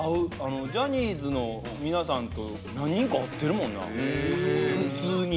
ジャニーズの皆さんと何人か会ってるもんな普通に。